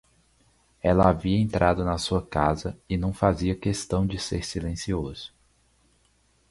Ele havia entrado na sua casa e não fazia questão de ser silencioso.